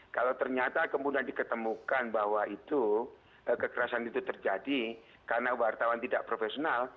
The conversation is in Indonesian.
kalau ternyata kemudian diketemukan bahwa itu kekerasan itu terjadi karena wartawan tidak profesional